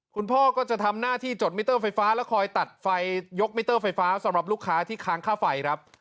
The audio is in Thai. คุณพ่อก็จะทำหน้าที่จดมิเตอร์ไฟฟ้าและคอยตัดไฟยกมิเตอร์ไฟฟ้าสำหรับลูกค้าที่ค้างค่าไฟครับ